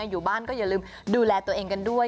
อย่าลืมดูแลตัวเองกันด้วย